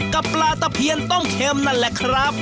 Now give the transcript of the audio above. กับปลาตะเพียนต้มเข็มนั่นแหละครับ